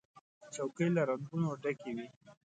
چوکۍ له رنګونو ډکې وي.